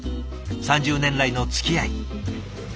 ３０年来のつきあい。